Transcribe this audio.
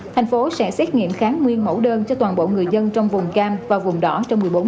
thành phố sẽ xét nghiệm kháng nguyên mẫu đơn cho toàn bộ người dân trong vùng cam và vùng đỏ trong một mươi bốn